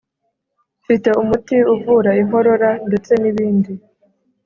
mfite umuti uvura inkorora ndetse nibindi